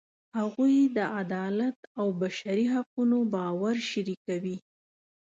هغوی د عدالت او بشري حقونو باور شریکوي.